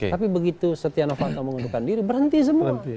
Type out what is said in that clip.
tapi begitu setia novanto mengundurkan diri berhenti semua